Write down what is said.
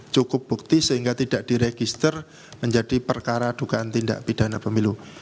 cukup bukti sehingga tidak diregister menjadi perkara dugaan tindak pidana pemilu